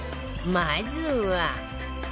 まずは